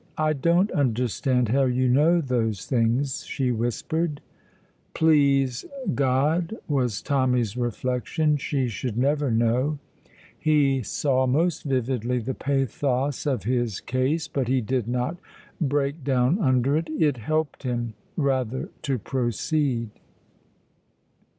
"I don't understand how you know those things," she whispered. Please God, was Tommy's reflection, she should never know. He saw most vividly the pathos of his case, but he did not break down under it; it helped him, rather, to proceed.